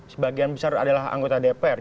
sebagian besar adalah anggota dpr